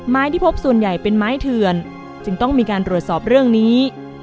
ที่พบส่วนใหญ่เป็นไม้เถื่อนจึงต้องมีการตรวจสอบเรื่องนี้